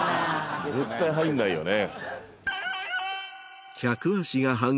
絶対入んないよね。